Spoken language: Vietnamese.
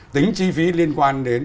tính chi phí liên quan đến